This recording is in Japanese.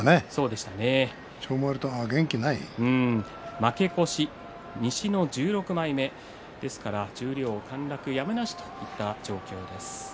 負け越し西の１６枚目ですから十両陥落やむなしという状況です。